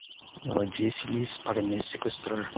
Ela disse-lhes para me seqüestrar.